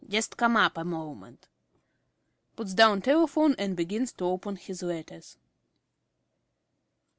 Just come up a moment. (_Puts down telephone and begins to open his letters.